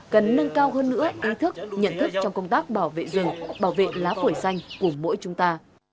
cần nâng cao hơn nữa ý thức nhận thức trong công tác bảo vệ rừng bảo vệ lá phổi xanh của mỗi chúng ta